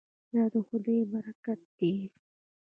دا د خدای برکت دی.